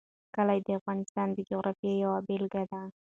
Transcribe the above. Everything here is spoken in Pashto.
کلي د افغانستان د جغرافیې یوه بېلګه ده.